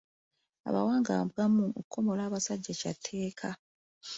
Amawanga agamu, okukomola abasajja kya tteeka.